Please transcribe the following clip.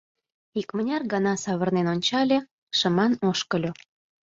Икмыняр гана савырнен ончале, шыман ошкыльо.